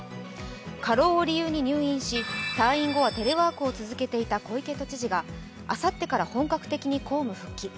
過労を理由に入院し退院後はテレワークを続けていた小池都知事があさってから本格的に公務復帰。